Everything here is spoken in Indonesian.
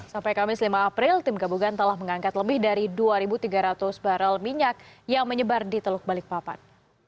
sampai kamis lima april tim gabungan telah mengangkat lebih dari dua tiga ratus barrel minyak yang menyebar di teluk balikpapan